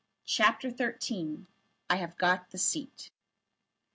CHAPTER XIII. "I HAVE GOT THE SEAT."